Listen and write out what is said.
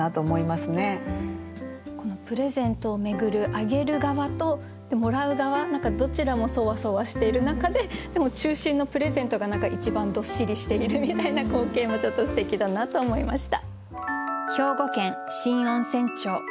このプレゼントを巡るあげる側ともらう側どちらもそわそわしている中ででも中心のプレゼントが一番どっしりしているみたいな光景もちょっとすてきだなと思いました。